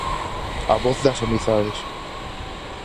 A voz das amizades.